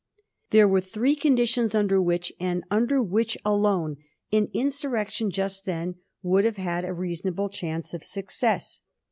There were three conditions under which, and under which alone, an insurrection just then would have had a reasonable chance of success.